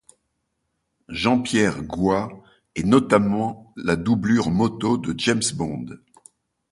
Jean-Pierre Goy est notamment la doublure moto de James Bond.